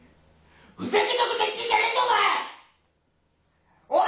ふざけたこと言ってんじゃねえぞお前！